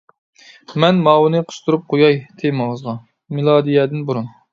مەن ماۋۇنى قىستۇرۇپ قوياي تېمىڭىزغا : مىلادىيەدىن بۇرۇن.